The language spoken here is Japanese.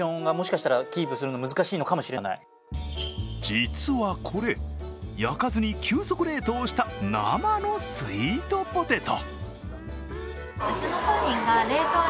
実はこれ、焼かずに急速冷凍した生のスイートポテト。